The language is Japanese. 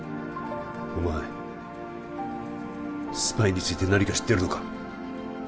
スパイについて何か知ってるのか？